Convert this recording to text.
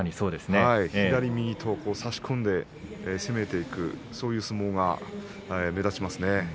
左右と差し込んで攻めていくそういう相撲が目立ちますね。